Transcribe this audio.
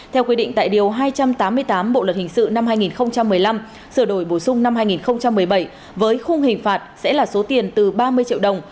theo quy định tại điều hai trăm tám mươi tám bộ luật hình sự năm hai nghìn một mươi năm sửa đổi bổ sung năm hai nghìn một mươi bảy với khung hình phạt sẽ là số tiền từ ba mươi triệu đồng